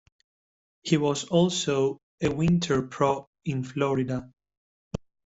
He was also a winter pro in Florida.